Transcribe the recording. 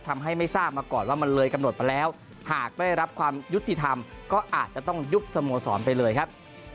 ทำให้ไม่ทราบมาก่อนว่ามันเลยกำหนดมาแล้วหากไม่ได้รับความยุติธรรมก็อาจจะต้องยุบสโมสรไปเลยครับ